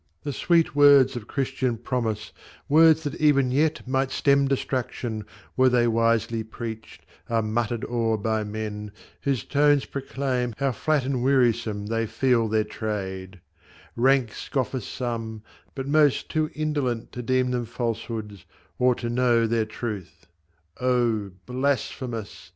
The sweet words Of Christian promise, words that even yet Might stem destruction, were they wisely preached, Are muttered o'er by men, whose tones proclaim How flat and wearisome they feel their trade : Rank scoffers some, but most too indolent To deem them falsehoods or to know their truth. Oh ! blasphemous